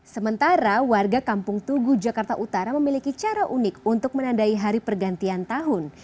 sementara warga kampung tugu jakarta utara memiliki cara unik untuk menandai hari pergantian tahun